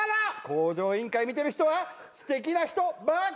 『向上委員会』見てる人はすてきな人ばっかりだ。